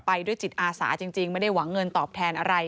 ด้วยจิตอาสาจริงไม่ได้หวังเงินตอบแทนอะไร